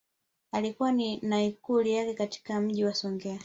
Alikuwa na Ikulu yake katika Mji wa Songea